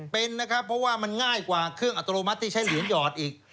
เป็นนะครับเพราะว่ามันง่ายกว่าเครื่องอัตโนมัติที่ใช้เหรียญหยอดอีก